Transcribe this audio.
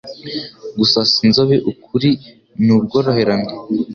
gusasa inzobe ukuri n ubworoherane